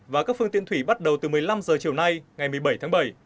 và các phương tiện thủy bắt đầu từ một mươi năm h chiều nay ngày một mươi bảy tháng bảy